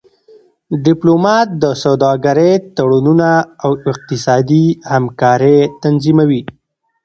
ډيپلومات د سوداګری تړونونه او اقتصادي همکاری تنظیموي.